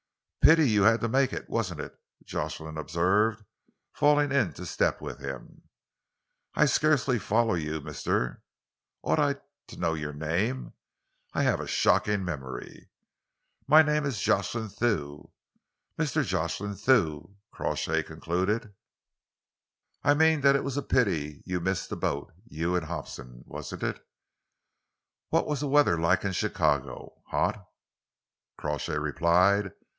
"Pity you had to make it, wasn't it?" Jocelyn observed, falling into step with him. "I scarcely follow you, Mr. Ought I to know your name? I have a shocking memory." "My name is Jocelyn Thew." "Mr. Jocelyn Thew," Crawshay concluded. "I mean that it was a pity you missed the boat, you and Hobson, wasn't it? What was the weather like in Chicago?" "Hot," Crawshay replied.